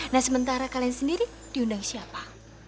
nah sementara kalian sendiri diundang siapa